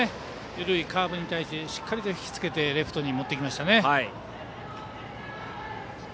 緩いカーブに対してしっかり引き付けてレフトに持っていきました。